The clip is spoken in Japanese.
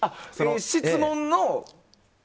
質問の。